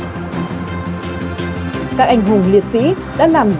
máu đào của các anh hùng liệt sĩ đã tố thắm cho lá cờ tổ quốc